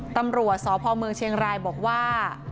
ตำรวจสพเมืองเชียงรายบอกว่า